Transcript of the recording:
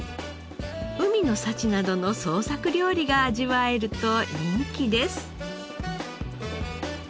海の幸などの創作料理が味わえると人気です。